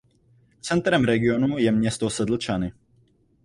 Centrem regionu je město Sedlčany.